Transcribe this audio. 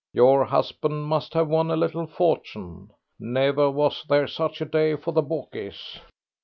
Your husband must have won a little fortune. Never was there such a day for the bookies."